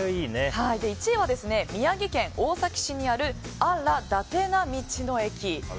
１位は、宮崎県大崎市にあるあ・ら・伊達な道の駅。